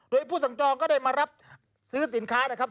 โดยผู้สั่งจองก็ได้มารับซื้อสินค้านะครับ